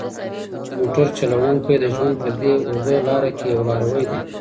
موټر چلونکی د ژوند په دې اوږده لاره کې یو لاروی دی.